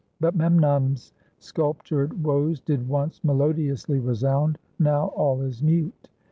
But Memnon's sculptured woes did once melodiously resound; now all is mute.